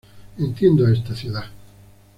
Entiendo a esta ciudad.